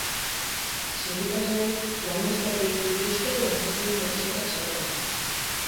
Sindikatuek lanuzteak deitu dituzte lanpostuen murrizketak salatzeko.